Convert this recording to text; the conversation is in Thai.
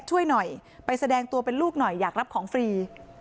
ช่วยหน่อยไปแสดงตัวเป็นลูกหน่อยอยากรับของฟรี